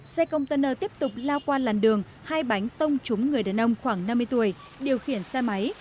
xe container tiếp tục lao qua làn đường hai bánh tông trúng người đàn ông khoảng năm mươi tuổi điều khiển xe máy